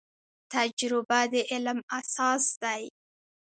تجربه د علم اساس دی